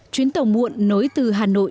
chuyến tàu muộn nối từ hà nội